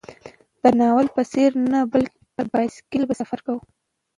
د ناول په څېر نه، بلکې پر بایسکل به سفر کوي.